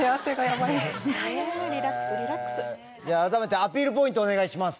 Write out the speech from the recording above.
改めてアピールポイントお願いします。